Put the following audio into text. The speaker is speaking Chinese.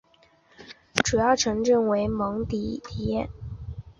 主要城镇为蒙迪迪耶。